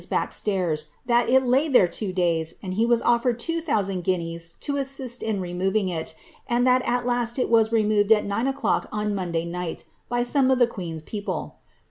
303 qiiecirs back stairs; that it lay there two days; and he was ofTcrcd tiro thoiJ9:itul jsfuiiieas to as^dist in removing it, and that at last it was removed at nine o^clock on the Monday night, by some of the queen's people.